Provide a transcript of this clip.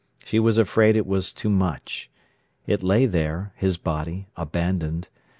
She was afraid it was too much. It lay there, his body, abandoned.